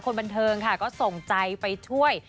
คนบันเทิงค่ะก็ส่งใจไปช่วย